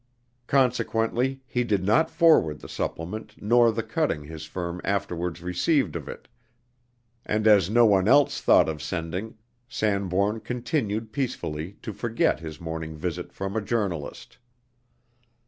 Consequently he did not forward the supplement, nor the cutting his firm afterwards received of it; and as no one else thought of sending, Sanbourne continued peacefully to forget his morning visit from a journalist.